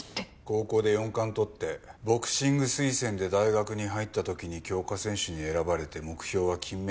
高校で４冠とってボクシング推薦で大学に入った時に強化選手に選ばれて目標は金メダル。